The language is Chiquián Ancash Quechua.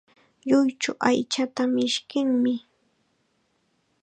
Lluychu aychata mishkinmi.